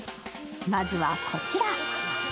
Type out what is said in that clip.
まずはこちら。